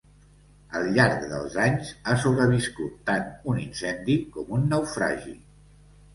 Al llarg dels anys, ha sobreviscut tant un incendi com un naufragi.